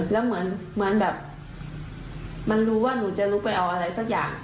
แล้วเหมือนแบบมันรู้ว่าหนูจะลุกไปเอาอะไรสักอย่าง